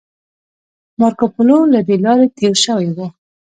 مارکوپولو له دې لارې تیر شوی و